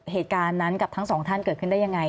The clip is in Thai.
เหตุการณ์นั้นกับทั้งสองท่านเกิดขึ้นได้ยังไง